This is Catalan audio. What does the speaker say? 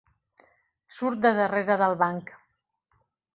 Surt de darrera del banc.